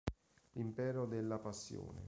L'impero della passione